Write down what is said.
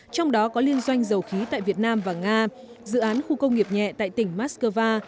trong đó có liên doanh dầu khí tại việt nam và nga dự án khu công nghiệp nhẹ tại tỉnh moscow